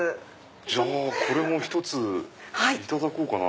じゃあこれもいただこうかな。